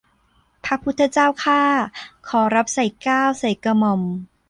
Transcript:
พระพุทธเจ้าข้าขอรับใส่เกล้าใส่กระหม่อม